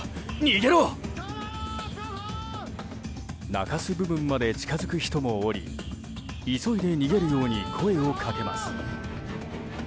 中州部分まで近づく人もおり急いで逃げるように声を掛けます。